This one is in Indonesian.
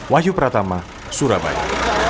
wahyu pratama surabaya